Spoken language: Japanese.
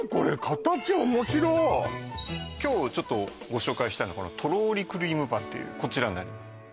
形面白い今日ご紹介したいのはこのとろーりクリームパンっていうこちらになります